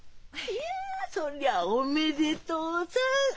いやそりゃおめでとうさん！